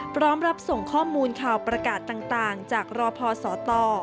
พร้อมรับส่งข้อมูลข่าวประกาศต่างจากรอพอสต